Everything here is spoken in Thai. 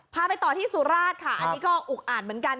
ไปต่อที่สุราชค่ะอันนี้ก็อุกอ่านเหมือนกัน